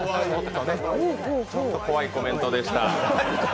ちょっと怖いコメントでした。